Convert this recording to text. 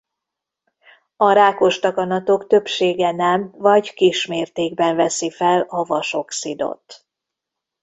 A rákos daganatok többsége nem vagy kis mértékben veszi fel a vas-oxidot.